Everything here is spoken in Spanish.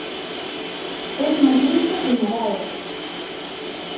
Es más bruto que un arado